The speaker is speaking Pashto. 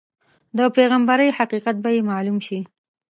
د پیغمبرۍ حقیقت به یې معلوم شي.